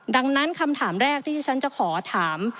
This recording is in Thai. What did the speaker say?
ดังนั้นคำถามแรกที่ที่ฉันจะขอถาม